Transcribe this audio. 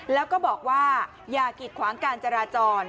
แล้วก็บอกว่าอย่ากีดขวางการจราจร